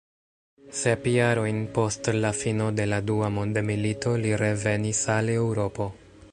Sep jarojn post la fino de la dua mondmilito li revenis al Eŭropo.